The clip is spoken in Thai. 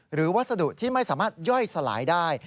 วัสดุที่ไม่สามารถย่อยสลายได้